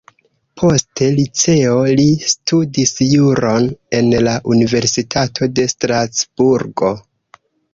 Poste liceo li studis juron en la universitato de Strasburgo.